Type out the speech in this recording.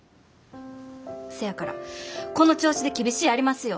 せやからこの調子で厳しやりますよ。